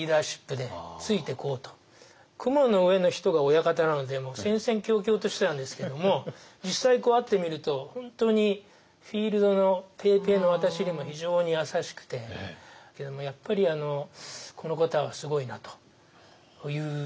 雲の上の人が親方なのでもう戦々恐々としてたんですけども実際会ってみると本当にフィールドのペーペーの私にも非常に優しくてやっぱりこの方はすごいなという。